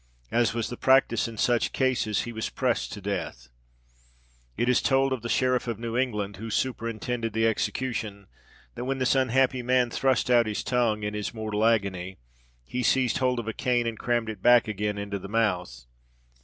As was the practice in such cases, he was pressed to death. It is told of the Sheriff of New England, who superintended the execution, that when this unhappy man thrust out his tongue in his mortal agony, he seized hold of a cane, and crammed it back again into the mouth.